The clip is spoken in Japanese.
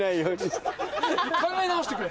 考え直してくれ。